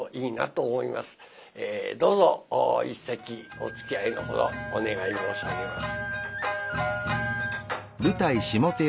どうぞ一席おつきあいのほどお願い申し上げます。